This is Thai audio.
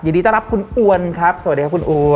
ยินดีต้อนรับคุณอวนครับสวัสดีครับคุณอู๋